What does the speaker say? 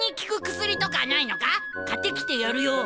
買ってきてやるよ。